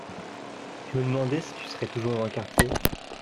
Je me demandais si tu serais toujours dans le quartier